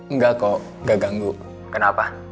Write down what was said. nggak kok nggak ganggu kenapa